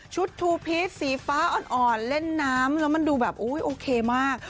ทูพีชสีฟ้าอ่อนเล่นน้ำแล้วมันดูแบบโอเคมาก